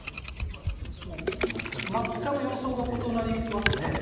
もう全く様相が異なりますね。